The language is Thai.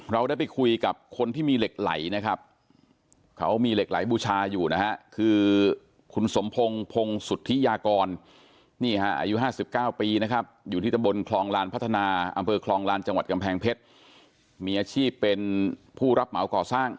เราได้ไปคุยกับคนที่มีเหล็ก